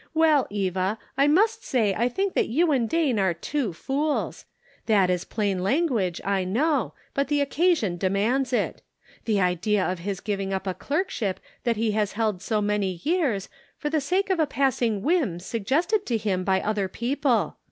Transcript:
Well, Eva, I must say I think that you and Dane are two fools! That is plain language I know, but the occasion demands it. The idea of his giving up a clerkship that he has held so many years, for the sake of a passing whim suggested to him by other people.